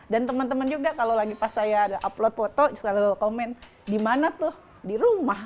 dan teman teman juga kalau lagi pas saya upload foto selalu komen di mana tuh di rumah